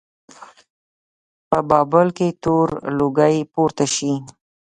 په بابل کې تور لوګی پورته شي.